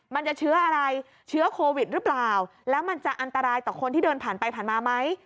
มันจะเชื้ออะไรเชื้อโควิดหรือเปล่าแล้วมันจะอันตรายต่อคนที่เดินผ่านไปผ่านมาไหม